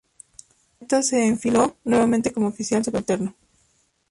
Urdaneta se enfiló nuevamente como oficial subalterno.